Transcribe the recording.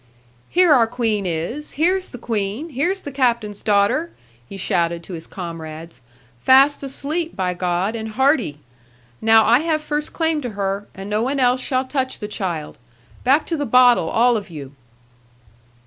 'Here our queen is! Here's the queen, here's the captain's daughter!' he shouted to his comrades; 'fast asleep, by God, and hearty! Now I have first claim to her; and no one else shall touch the child. Back to the bottle, all of you!'